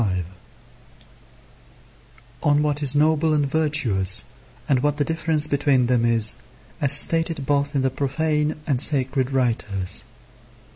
On what is noble and virtuous, and what the difference between them is, as stated both in the profane and sacred writers.